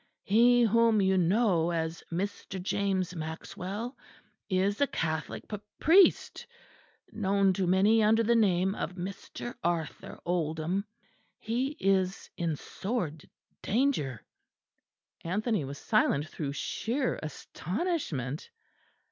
He whom you know as Mr. James Maxwell is a Catholic p priest, known to many under the name of Mr. Arthur Oldham. He is in sore d danger." Anthony was silent through sheer astonishment.